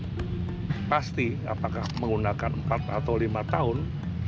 yang mengikuti apakah menggunakan empat atau lima tahun